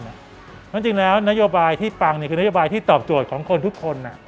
เพราะฉะนั้นจริงแล้วนโยบายที่ฟังคือนโยบายที่ตอบโจทย์ของคนทุกคน